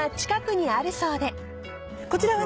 こちらはね